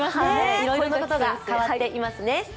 いろいろなことが変わっていますね。